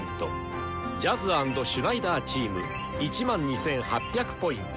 ジャズ＆シュナイダーチーム１２８００Ｐ。